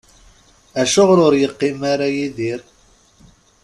Acuɣer ur yeqqim ara Yidir?